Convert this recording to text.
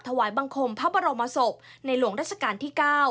ถวายบังคมพระบรมศพในหลวงราชการที่๙